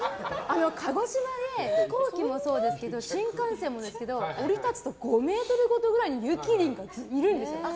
鹿児島で飛行機もそうですけど新幹線もですけど降り立つと５ｍごとぐらいにゆきりんがいるんですよ。